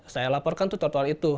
saya laporkan tuh trotoar itu